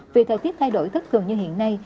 vì thời tiết thay đổi thất thường như hiện nay